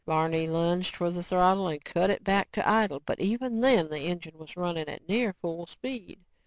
Barney lunged for the throttle and cut it back to idle, but even then, the engine was running at near full speed.